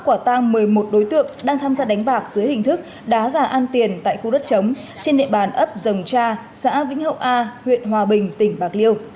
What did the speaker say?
quả tăng một mươi một đối tượng đang tham gia đánh bạc dưới hình thức đá gà ăn tiền tại khu đất chống trên địa bàn ấp rồng cha xã vĩnh hậu a huyện hòa bình tỉnh bạc liêu